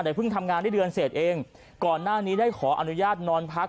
แต่เพิ่งทำงานได้เดือนเสร็จเองก่อนหน้านี้ได้ขออนุญาตนอนพัก